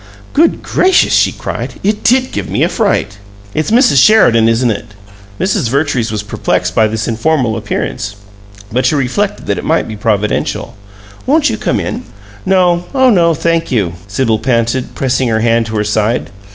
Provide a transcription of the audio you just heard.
"Good gracious!" she cried. "It did give me a fright!" "It's Mrs. Sheridan, isn't it?" Mrs. Vertrees was perplexed by this informal appearance, but she reflected that it might be providential. "Won't you come in?" "No. Oh no, thank you!" Sibyl panted, pressing her hand to her side.